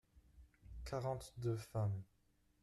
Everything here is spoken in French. Quarante-deux femmes.